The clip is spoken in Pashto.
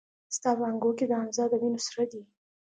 ستا په اننګو کې د حمزه د وينو سره دي